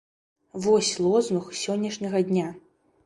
Вось лозунг сённяшняга дня!